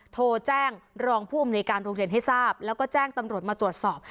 โทรแจ้งรองผู้อำนวยการโรงเรียนให้ทราบแล้วก็แจ้งตำรวจมาตรวจสอบ